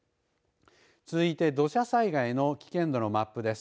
続いて土砂災害の危険度のマップです。